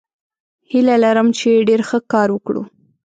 هیله لرم چې ډیر ښه کار وکړو.